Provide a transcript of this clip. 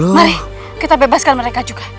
mari kita bebaskan mereka juga